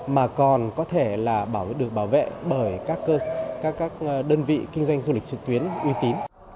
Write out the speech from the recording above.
mà còn có thể là được bảo vệ bởi các đơn vị kinh doanh du lịch trực tuyến uy tín